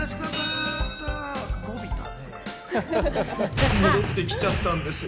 戻ってきちゃったんですよ。